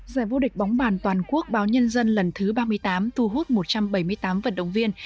giải vô địch bóng bàn toàn quốc báo nhân dân lần thứ ba mươi tám thu hút một trăm bảy mươi tám vận động viên